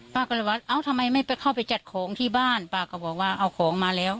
ป้าก็เลยว่าเอ้าทำไมไม่ไปเข้าไปจัดของที่บ้านป้าก็บอกว่าเอาของมาแล้ว